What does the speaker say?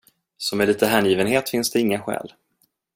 Så med lite hängivenhet finns det inga skäl.